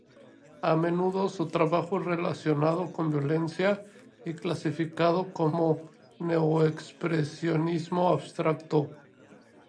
A menudo su trabajo es relacionado con violencia y clasificado como "neo-expresionismo abstracto".